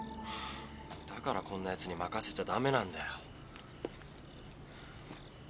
だからこんなヤツに任せちゃダメなんだよ。